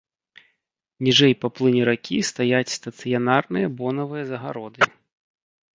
Ніжэй па плыні ракі стаяць стацыянарныя бонавыя загароды.